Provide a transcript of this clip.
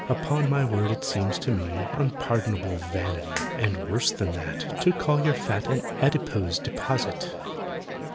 Upon my word, it seems to me Unpardonable vanity (And worse than that) To call your fat An "adipose deposit."